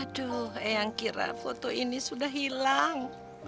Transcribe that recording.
aduh yang kira foto ini sudah hilang